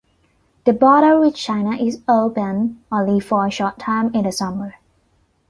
The border with China is open only for a short time in the summer.